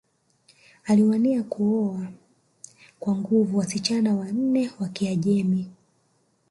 Aliwania kuoa kwa nguvu wasichana wanne wa Kiajemi